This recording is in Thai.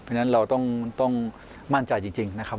เพราะฉะนั้นเราต้องมั่นใจจริงนะครับ